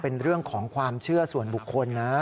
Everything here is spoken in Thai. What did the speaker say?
เป็นเรื่องของความเชื่อส่วนบุคคลนะ